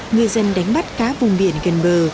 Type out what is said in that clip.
ngư dân đánh bắt cá vùng biển gần bờ